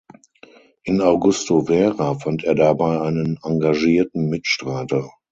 In Augusto Vera fand er dabei einen engagierten Mitstreiter.